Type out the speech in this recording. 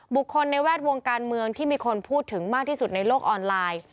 บุคคลในแวดวงการเมืองที่มีคนพูดถึงมากที่สุดในโลกออนไลน์